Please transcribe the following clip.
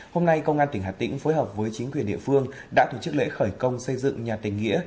hôm nay công an tỉnh hà tĩnh phối hợp với chính quyền địa phương đã tổ chức lễ khởi công xây dựng nhà tình nghĩa